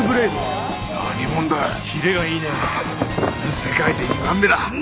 世界で２番目だ。